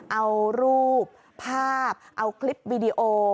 เอารูปภาพเอาคลิปวีดีโอ